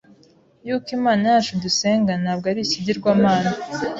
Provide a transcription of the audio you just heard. yuko Imana yacu dusenga ntabwo ari ikigirwamana